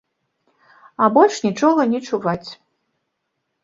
А больш нічога не чуваць.